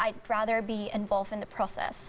jadi saya lebih suka bergabung dalam proses